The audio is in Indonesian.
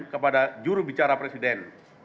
kepada jurubicara presiden